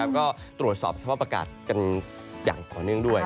ก็ตรวจสอบสภาพอากาศกันอย่างต่อเนื่องด้วย